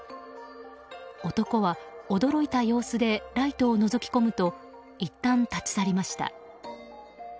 男は驚いた様子でライトをのぞき込むといったん立ち去りました。